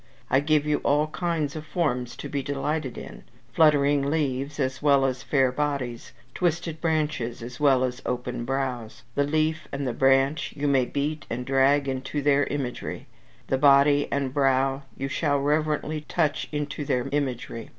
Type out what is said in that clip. I give you all kinds of forms to be delighted in; fluttering leaves as well as fair bodies; twisted branches as well as open brows. The leaf and the branch you may beat and drag into their imagery: the body and brow you shall reverently touch into their imagery.